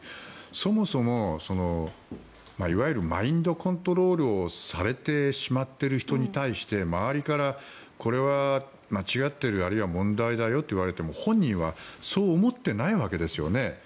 そもそも、いわゆるマインドコントロールをされてしまっている人に対して周りから、これは間違っているあるいは問題だよと言われても本人はそう思ってないわけですよね。